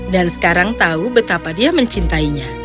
dan sekarang tahu betapa dia mencintainya